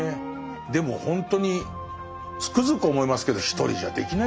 でもほんとにつくづく思いますけど一人じゃできないですもんね